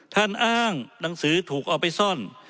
ท่านอ้างหนังสือถูกเอาไปซ่อน